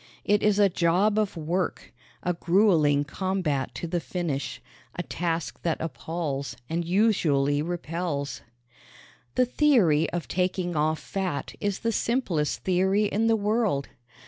It is a job of work, a grueling combat to the finish, a task that appalls and usually repels. The theory of taking off fat is the simplest theory in the world.